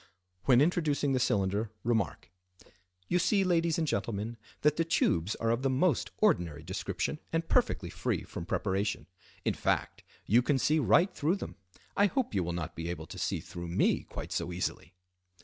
When introducing the cylinder remark:—"You see, Ladies and Gentlemen, that the tubes are of the most ordinary description and perfectly free from preparation; in fact, you can see right through them. I hope you will not be able to see through me quite so easily."